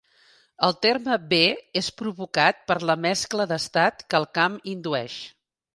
El terme B és provocat per la mescla d'estat que el camp indueix.